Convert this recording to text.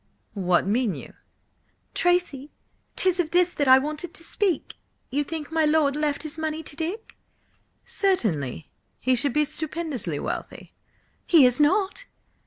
What mean you?" "Tracy, 'tis of this that I wanted to speak! You think my lord left his money to Dick?" "Certainly. He should be stupendously wealthy." "He is not!"